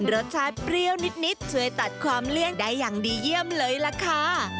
รสชาติเปรี้ยวนิดช่วยตัดความเลี่ยงได้อย่างดีเยี่ยมเลยล่ะค่ะ